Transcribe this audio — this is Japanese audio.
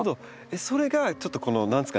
それがちょっとこの何ですかね